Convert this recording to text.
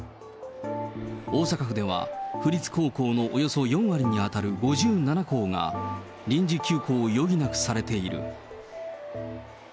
大阪府では府立高校のおよそ４割に当たる５７校が、臨時休校を余儀なくされている。